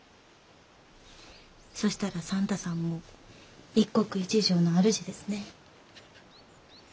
そしたら算太さんも一国一城のあるじですね。